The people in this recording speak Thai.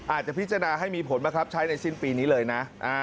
อาจจะพิจารณาให้มีผลบังคับใช้ในสิ้นปีนี้เลยนะ